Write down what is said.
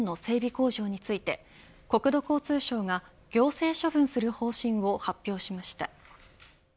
工場について国土交通省が行政処分する方針を発表しました。